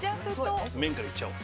麺からいっちゃおう。